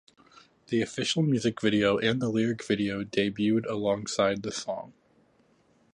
The official music video and the lyric video debuted alongside the song.